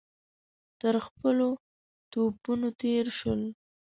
تر خپلو توپونو تېر شول.